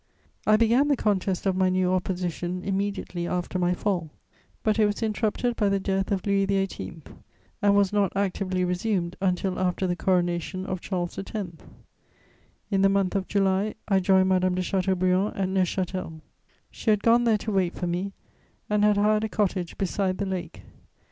I began the contest of my new opposition immediately after my fall; but it was interrupted by the death of Louis XVIII. and was not actively resumed until after the coronation of Charles X. In the month of July, I joined Madame de Chateaubriand at Neuchâtel; she had gone there to wait for me, and had hired a cottage beside the lake.